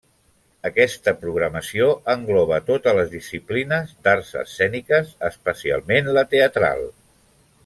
Aquesta programació engloba totes les disciplines d'arts escèniques, especialment la teatral.